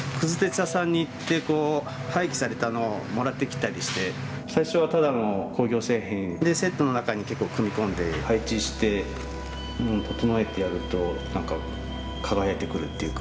屋さんに行って廃棄されたのをもらってきたりして最初はただの工業製品でセットの中に結構組み込んで配置して整えてやると何か輝いてくるっていうか。